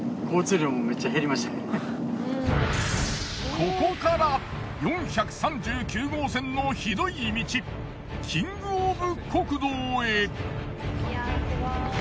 ここから４３９号線の酷い道キングオブ酷道へ。